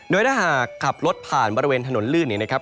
โดยถ้าหากขับรถผ่านบริเวณถนนลื่นเนี่ยนะครับ